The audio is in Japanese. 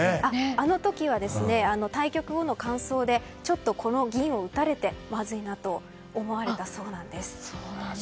あの時は、対局後の感想でこの銀を打たれて、まずいなと思われたそうなんです。